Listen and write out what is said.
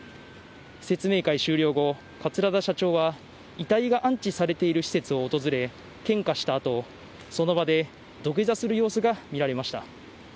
説明会終了後、桂田社長は遺体が安置されている施設を訪れ、献花したあと、その場で土下座する様子が見られました。